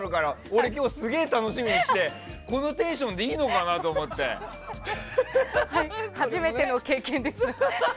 俺、今日すげえ楽しみに来てこのテンションで初めての経験です。